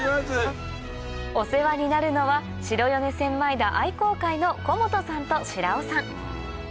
お世話になるのは白米千枚田愛耕会の小本さんと白尾さん